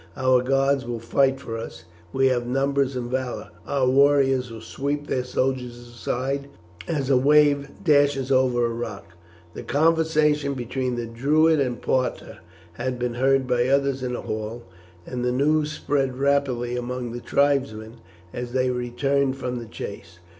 Our gods will fight for us. We have numbers and valour. Our warriors will sweep their soldiers aside as a wave dashes over a rock." The conversation between the Druid and Parta had been heard by others in the hall, and the news spread rapidly among the tribesmen as they returned from the chase.